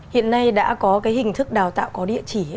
hiện nay đã có cái hình thức đào tạo có địa chỉ